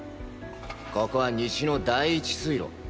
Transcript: ここは西の第１水路。